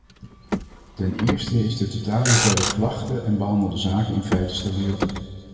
Ten eerste is de totale hoeveelheid klachten en behandelde zaken in feite stabiel.